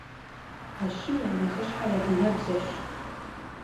А щым я нэхъыщхьэр адыгэбзэрщ.